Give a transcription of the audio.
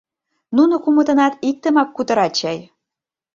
Нуно кумытынат иктымак кутырат чай?